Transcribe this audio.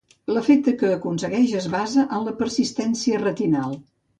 L'efecte que s'aconsegueix es basa en la persistència retinal.